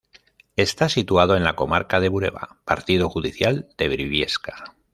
Está situada en la comarca de Bureba, partido judicial de Briviesca.